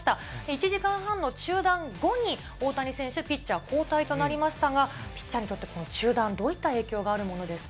１時間半の中断後に、大谷選手、ピッチャー交代となりましたが、ピッチャーにとって、この中断、どういった影響があるものですか。